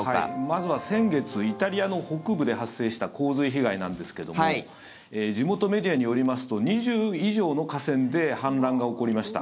まずは先月イタリアの北部で発生した洪水被害なんですけども地元メディアによりますと２０以上の河川で氾濫が起こりました。